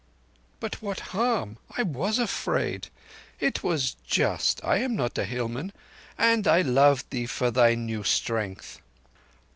"But what harm? I was afraid. It was just. I am not a hillman; and I loved thee for thy new strength."